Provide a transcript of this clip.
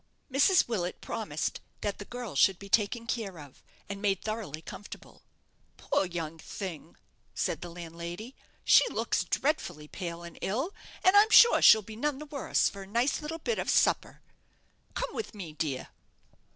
Mrs. Willet promised that the girl should be taken care of, and made thoroughly comfortable. "Poor young thing," said the landlady, "she looks dreadfully pale and ill, and I'm sure she'll be none the worse for a nice little bit of supper. Come with me, my dear."